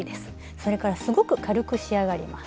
それからすごく軽く仕上がります。